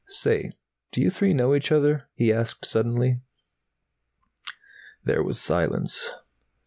"Say, do you three know each other?" he asked suddenly. There was silence.